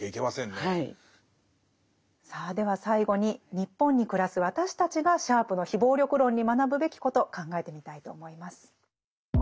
さあでは最後に日本に暮らす私たちがシャープの非暴力論に学ぶべきこと考えてみたいと思います。